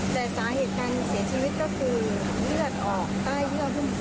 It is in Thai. แต่สาเหตุการณ์เสียชีวิตก็คือเลือดออกใต้เลือดรุ่นสระ